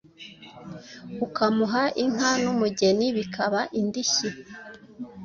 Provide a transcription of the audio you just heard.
ukamuha inka n'umugeni bikaba indishyi,